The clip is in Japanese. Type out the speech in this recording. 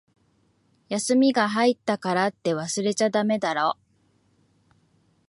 休みが入ったからって、忘れちゃだめだろ。